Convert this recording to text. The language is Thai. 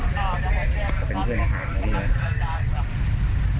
เจ้าพอม